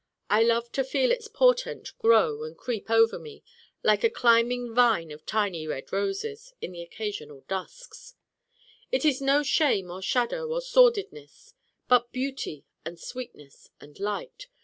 I love to feel its portent grow and creep over me, like a climbing vine of tiny red roses, in the occasional dusks. It is no shame or shadow or sordidness: but beauty and sweetness and light.